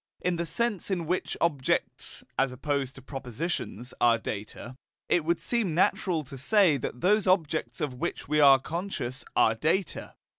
In the sense in which objects (as opposed to propositions) are data, it would seem natural to say that those objects of which we are conscious are data.